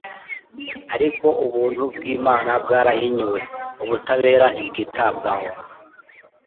Ariko ubuntu bw'Imana bwarahinyuwe, ubutabera ntibwitabwaho,